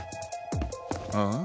ああ？